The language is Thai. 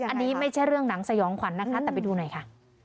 อันนี้ไม่ใช่เรื่องหนังสยองขวัญนะคะแต่ไปดูหน่อยค่ะ